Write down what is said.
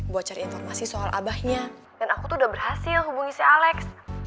berhasil hubungi si alex